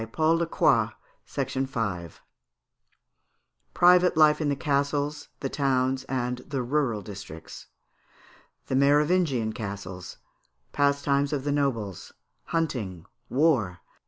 ] Private Life in the Castles, the Towns, and the Rural Districts. The Merovingian Castles. Pastimes of the Nobles; Hunting, War.